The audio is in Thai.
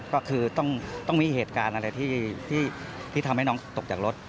ก็คือต้องมีเหตุการณ์อะไรที่ทำให้น้องตกจากรถ